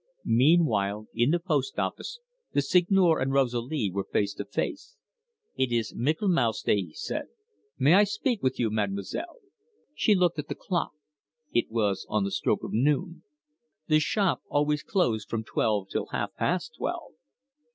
Meanwhile, in the post office, the Seigneur and Rosalie were face to face. "It is Michaelmas day," he said. "May I speak with you, Mademoiselle?" She looked at the clock. It was on the stroke of noon. The shop always closed from twelve till half past twelve.